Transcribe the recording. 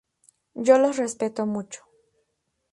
Yo los respeto mucho.